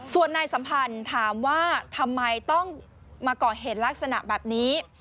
ส่วนนายสัมพันธ์ถามว่าทำไมต้องมาก่อเหตุลักษณะแบบนี้